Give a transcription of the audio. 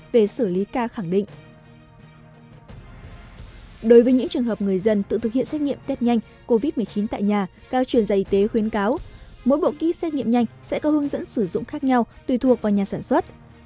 về xử lý ca khẳng định đối với những trường hợp người dân tự thực hiện xét nghiệm tết nhanh covid một mươi chín tại nhà cao truyền dạy y tế khuyến cáo mỗi bộ ký xét nghiệm nhanh sẽ có hướng dẫn sử dụng khác nhau tùy thuộc vào nhà sản xuất